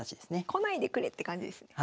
来ないでくれって感じですね。